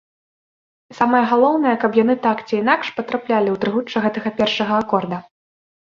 Самае галоўнае, каб яны так ці інакш патраплялі ў трыгучча гэтага першага акорда.